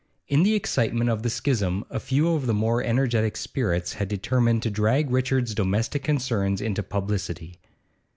In the excitement of the schism a few of the more energetic spirits had determined to drag Richard's domestic concerns into publicity.